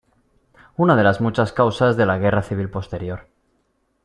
Una de las muchas causas de la guerra civil posterior.